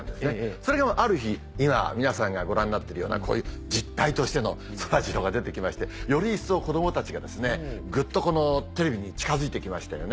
それがある日今皆さんがご覧になってるようなこういう実体としてのそらジローが出て来ましてより一層子供たちがグッとテレビに近づいて来ましたよね。